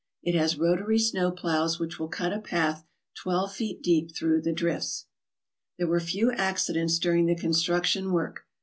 It has rotary snow ploughs which will cut a path twelve feet deep through the drifts. There were few accidents during the construction work.